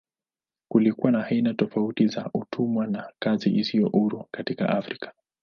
Kulikuwa na aina tofauti za utumwa na kazi isiyo huru katika Afrika.